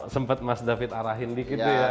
sempat mas david arahin dikit tuh ya